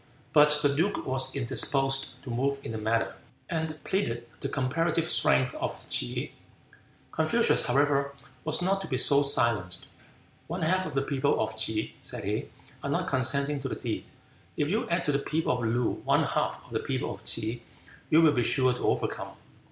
But the duke was indisposed to move in the matter, and pleaded the comparative strength of T'se. Confucius, however, was not to be so silenced. "One half of the people of Tse," said he, "are not consenting to the deed. If you add to the people of Loo one half of the people of Tse, you will be sure to overcome."